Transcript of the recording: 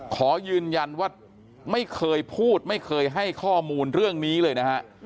ขอยืนยันว่าไม่เคยพูดไม่เคยให้ข้อมูลเรื่องนี้เลยนะฮะ